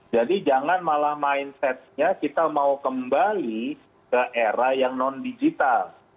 jadi jangan malah mindset nya kita mau kembali ke era yang non digital